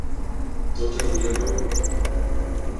Τότε δουλεύαμε.